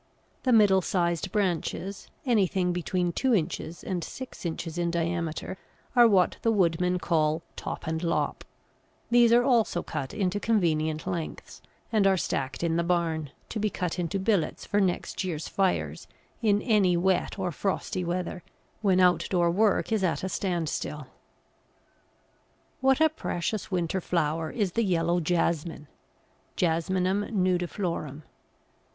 The middle sized branches anything between two inches and six inches in diameter are what the woodmen call "top and lop"; these are also cut into convenient lengths, and are stacked in the barn, to be cut into billets for next year's fires in any wet or frosty weather, when outdoor work is at a standstill. What a precious winter flower is the yellow Jasmine (Jasminum nudiflorum).